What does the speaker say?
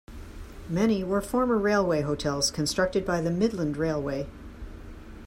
Many were former railway hotels constructed by the Midland Railway.